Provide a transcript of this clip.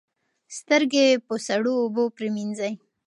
سترګې په سړو اوبو پریمنځئ.